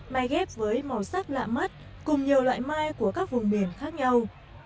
mai ghép với màu sắc lạ mắt cùng nhiều loại mai của các vùng biển khác nhau